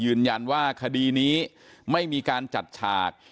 ยืนยันว่าคดีนี้ไม่มีการจัดฉาก